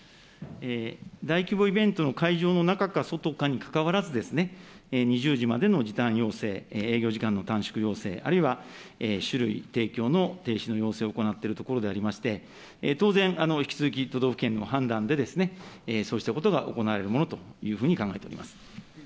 大規模イベントの会場の中か外かにかかわらず、２０時までの時短要請、営業時間の短縮要請、あるいは酒類提供の停止の要請を行っているところでありまして、当然、引き続き都道府県の判断で、そうしたことが行えるものと考えております。